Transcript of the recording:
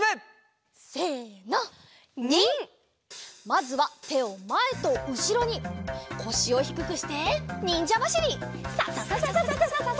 まずはてをまえとうしろにこしをひくくしてにんじゃばしり。ササササササ。